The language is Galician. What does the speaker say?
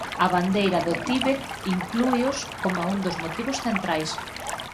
A bandeira do Tibet inclúeos como un dos motivos centrais.